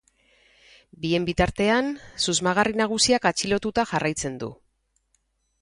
Bien bitartean, susmagarri nagusiak atxilotuta jarraitzen du.